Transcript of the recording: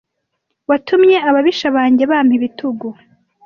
Watumye ababisha banjye bampa ibitugu